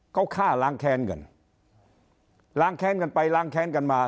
เขาฆ่าล้างแค้นกันล้างแค้นกันไปล้างแค้นกันมา